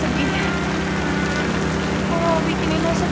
gue gak mau bikinin noise